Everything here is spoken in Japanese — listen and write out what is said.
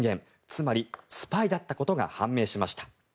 つまり、スパイだったことが判明しました。